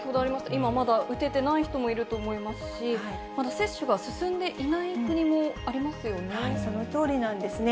今まだ打ててない人もいると思いますし、まだ接種が進んでいないそのとおりなんですね。